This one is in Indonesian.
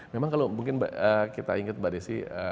memang kalau mungkin kita ingat mbak desi